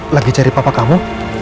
lagi cari papa kamu